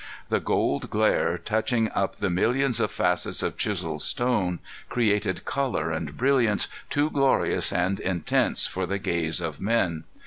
The gold glare touching up the millions of facets of chiseled stone, created color and brilliance too glorious and intense for the gaze of men.